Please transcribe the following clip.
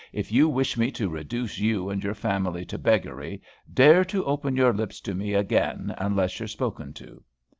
"If you wish me to reduce you and your family to beggary, dare to open your lips to me again unless you're spoken to."